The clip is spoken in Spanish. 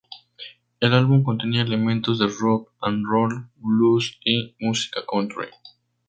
El álbum contenía elementos de rock and roll, blues y música country.